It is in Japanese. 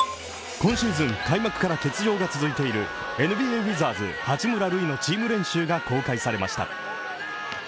今シーズン開幕から欠場が続いているＮＢＡウィザーズ八村塁のチーム練習が公開されました。